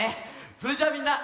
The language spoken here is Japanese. それじゃあみんな！